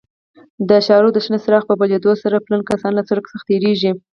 د اشارو د شنه څراغ په بلېدو سره پلي کسان له سړک څخه تېرېږي.